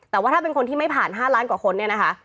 แต่ว่าถ้าเป็นคนที่ไม่ผ่าน๕ล้านกว่าคนเนี่ยนะคะ